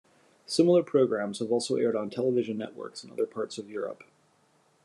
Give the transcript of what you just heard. Similar programs have also aired on television networks in other parts of Europe.